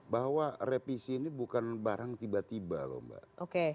bahwa revisi ini bukan barang tiba tiba loh mbak